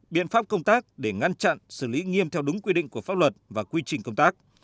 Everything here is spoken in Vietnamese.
biện pháp công tác để ngăn chặn xử lý nghiêm theo đúng quy định của pháp luật và quy trình công tác